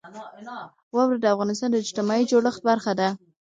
واوره د افغانستان د اجتماعي جوړښت برخه ده.